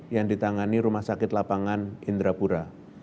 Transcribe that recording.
yang ditangani rumah sakit lapangan indrapura